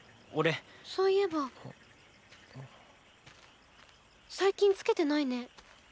そういえば最近つけてないね。